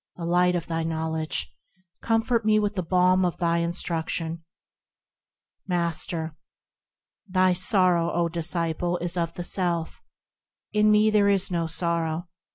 the light of thy knowledge, Comfort me with the balm of thy instruction. Master. Thy sorrow, O disciple ! is of the self ; In me there is no sorrow.